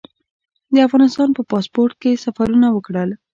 د افغانستان په پاسپورټ یې سفرونه وکړل.